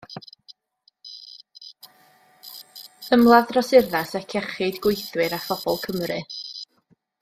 Ymladd dros urddas ac iechyd gweithwyr a phobl Cymru.